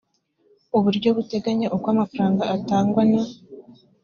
uburyo buteganya uko amafaranga atangwa na